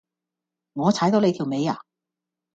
我踩到你條尾呀？